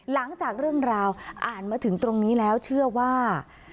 หลังจากเรื่องราวอ่านมาถึงตรงนี้แล้วเชื่อว่า